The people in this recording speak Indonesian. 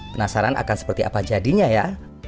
penasaran akan seperti apa jadinya ya